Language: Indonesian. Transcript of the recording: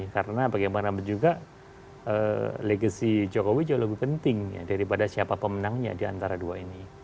karena bagaimana juga legasi jokowi jauh lebih penting daripada siapa pemenangnya di antara dua ini